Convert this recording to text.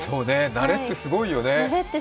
慣れってすごいよね。